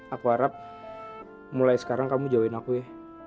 aku harap mulai sekarang kamu join aku ya